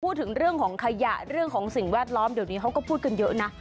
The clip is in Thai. พูดถึงเรื่องของขยะเรื่องของสิ่งแวดล้อมเดี๋ยวนี้เขาก็พูดกันเยอะนะ